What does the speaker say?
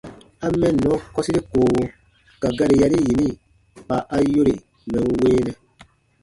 A « mɛnnɔ » kɔsire koowo ka gari yari yini kpa a yore mɛ̀ n weenɛ.